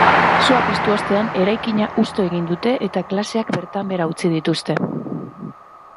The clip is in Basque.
Sua piztu ostean eraikina hustu egin dute eta klaseak bertan behera utzi dituzte.